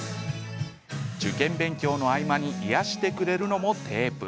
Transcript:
受験勉強の合間に癒やしてくれるのもテープ。